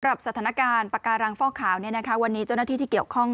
ครับสถานการณ์ปากาลังฟอกขาวเนี้ยนะคะวันนี้เจ้าหน้าที่ที่เกี่ยวข้อง